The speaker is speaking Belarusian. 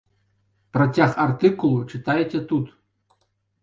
Працяг артыкулу чытайце тут.